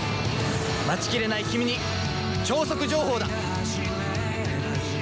待ちきれないキミに超速情報だ！